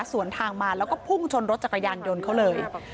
สวนทางมาแล้วก็พุ่งชนรถจักรยานยนต์เขาเลย